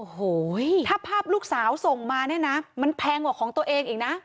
โอ้โหถ้าภาพลูกสาวส่งมาเนี่ยนะมันแพงกว่าของตัวเองอีกนะ